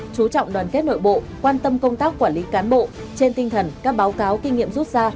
chú trọng đoàn kết nội bộ quan tâm công tác quản lý cán bộ trên tinh thần các báo cáo kinh nghiệm rút ra